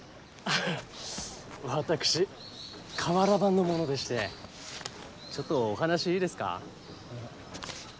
あ私瓦版の者でしてちょっとお話いいですか？